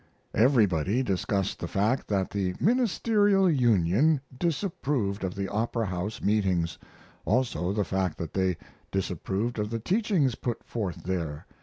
Everybody discussed the fact that the Ministerial Union disapproved of the Opera House meetings; also the fact that they disapproved of the teachings put forth there.